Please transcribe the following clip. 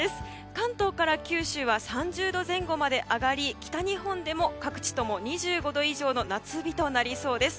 関東から九州は３０度前後まで上がり北日本でも各地とも２５度以上の夏日となりそうです。